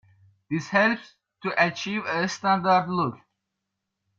This helps to achieve a standard look.